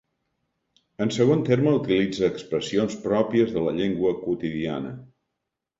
En segon terme utilitza expressions pròpies de la llengua quotidiana.